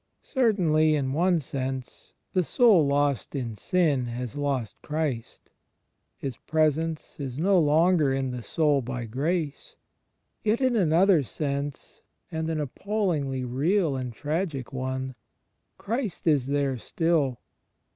Certainly in one sense, the soul lost in sin has lost Christ — His Presence is no longer in the soul by grace; yet in another sense, and an appallingly real and tragic one, Christ is there still.